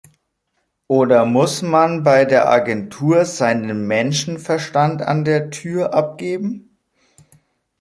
Oder muss man bei der Agentur seinen Menschenverstand an der Tür abgeben?